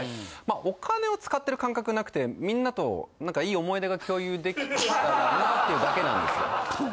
お金を使ってる感覚はなくてみんなといい思い出が共有できたらなっていうだけなんですよ。